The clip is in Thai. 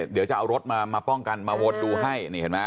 เดี๋ยวจะเอารถมาตกันดูให้